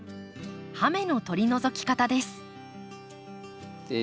葉芽の取り除き方です。